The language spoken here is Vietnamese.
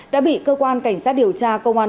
đã bị cơ quan cảnh sát điều tra công an